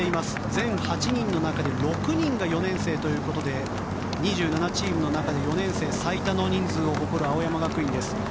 全８人のうち６人が４年生ということで２７チームの中で４年生最多の人数を誇る青山学院です。